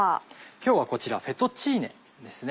今日はこちらフェットチーネですね。